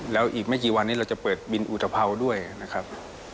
แล้วอีกไม่กี่วันนี้เราจะเปิดบินอุตภัวร์ด้วยนะครับ